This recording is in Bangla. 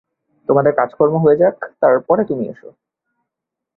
তোমাদের কাজকর্ম আগে হয়ে যাক, তার পরে তুমি এসো।